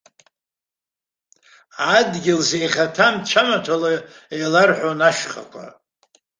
Адгьыл, зеиӷьаҭам цәамаҭәала еиларҳәон ашьхақәа.